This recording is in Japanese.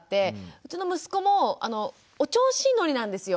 うちの息子もお調子乗りなんですよ。